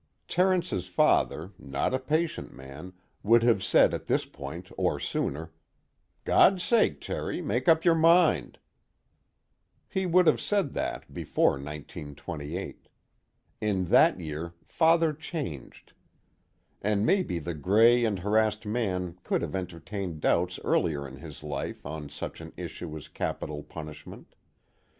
Terence's father, not a patient man, would have said at this point or sooner: "God sake, Terry, make up your mind!" He would have said that, before 1928. In that year Father changed. And maybe the gray and harassed man could have entertained doubts earlier in his life on such an issue as capital punishment.